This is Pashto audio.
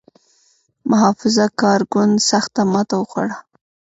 محافظه کار ګوند سخته ماته وخوړه.